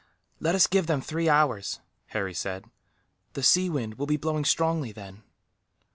"Let us give them three hours," Harry said, "the sea wind will be blowing strongly, then."